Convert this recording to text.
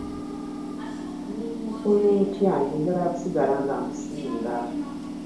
Newookola otya nze nja kusigala nga nkusinga.